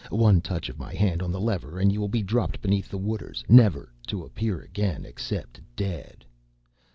"One touch of my hand on the lever, and you will be dropped beneath the waters, never to appear again, except dead.